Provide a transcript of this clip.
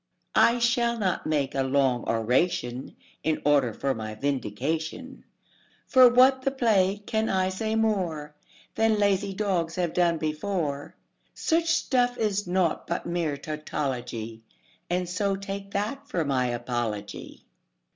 I shall not make a long oration in order for my vindication, For what the plague can I say more Than lazy dogs have done before; Such stuff is naught but mere tautology, And so take that for my apology.